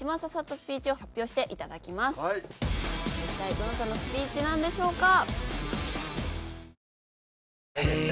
一体どなたのスピーチなんでしょうか？